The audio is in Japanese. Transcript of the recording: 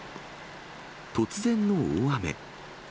突然の大雨。